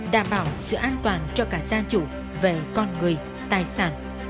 đảm bảo sự an toàn cho cả gia chủ về con người tài sản